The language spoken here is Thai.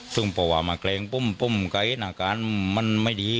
ซึ่งบอกว่ามาแกล้งผมผมกะเอ็ดอาการมันไม่ดี